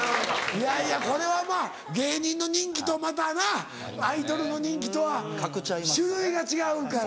いやいやこれは芸人の人気とまたなアイドルの人気とは種類が違うからな。